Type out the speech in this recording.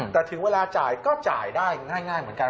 แต่ถึงเวลาจ่ายก็จ่ายได้ง่ายเหมือนกัน